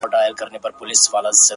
گراني راته راکړه څه په پور باڼه